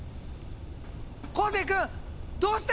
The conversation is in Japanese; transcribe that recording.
昴生君どうしたんや！？